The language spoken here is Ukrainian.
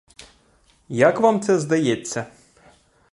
Як вам це здається?